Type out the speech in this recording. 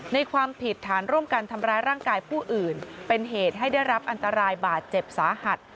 ความผิดฐานร่วมกันทำร้ายร่างกายผู้อื่นเป็นเหตุให้ได้รับอันตรายบาดเจ็บสาหัส